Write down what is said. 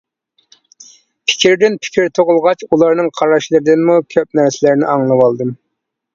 پىكىردىن پىكىر تۇغۇلغاچ ئۇلارنىڭ قاراشلىرىدىنمۇ كۆپ نەرسىلەرنى ئاڭلىۋالدىم.